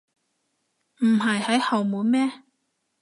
唔係喺後門咩？